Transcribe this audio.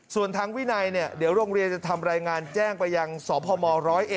ส่วนทางวินัยเดี๋ยวโรงเรียนจะทำรายงานแจ้งไปยังสพม๑๐๑